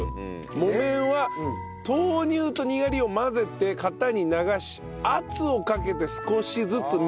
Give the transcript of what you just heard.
木綿は豆乳とにがりを混ぜて型に流し圧をかけて少しずつ水切りしたお豆腐。